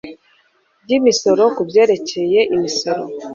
ry imisoro ku byerekeye imisoro